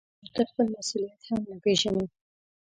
نو ته خپل مسؤلیت هم نه پېژنې.